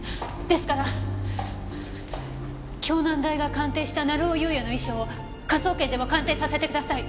ですから京南大が鑑定した成尾優也の遺書を科捜研でも鑑定させてください。